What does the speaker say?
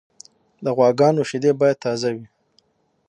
د غواګانو شیدې باید تازه وي.